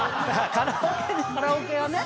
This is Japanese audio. カラオケね！